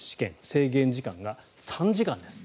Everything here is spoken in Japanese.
制限時間が３時間です。